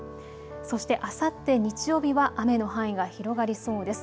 そして、あさって日曜日は雨の範囲が広がりそうです。